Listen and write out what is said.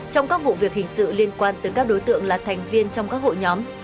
trong các vụ việc hình sự liên quan tới các đối tượng là thành viên trong các hội nhóm